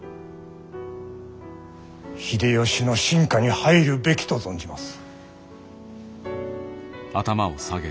秀吉の臣下に入るべきと存じます。